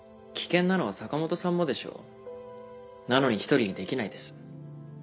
危険なのは坂本さんもでしょ。なのに１人にできないです。